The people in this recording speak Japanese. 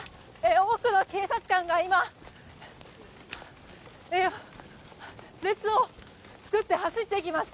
多くの警察官が、今列を作って走っていきます。